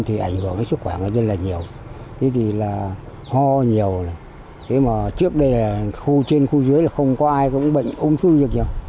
trước đây là khu trên khu dưới không có ai có bệnh ung thư được nhau